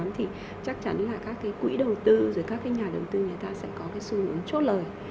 thì chắc chắn các quỹ đầu tư và các nhà đầu tư sẽ có xu hướng chốt lời